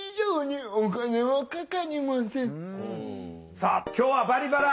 さあ今日は「バリバラ」